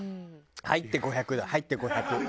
入って５００だ入って５００。